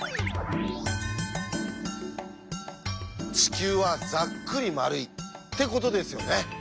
「地球はざっくり丸い」ってことですよね。